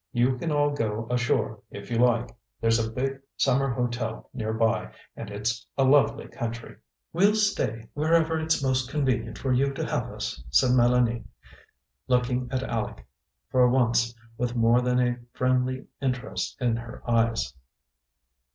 You can all go ashore, if you like. There's a big summer hotel near by, and it's a lovely country." "We'll stay wherever it's most convenient for you to have us," said Mélanie, looking at Aleck; for once, with more than a friendly interest in her eyes.